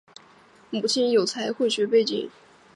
母亲有财会学背景。